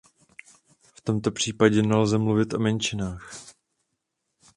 V tomto případě nelze mluvit o menšinách.